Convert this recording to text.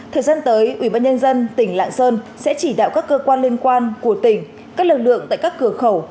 thời gian tới ubnd tỉnh lạng sơn sẽ chỉ đạo các cơ quan liên quan của tỉnh các lực lượng tại các cửa khẩu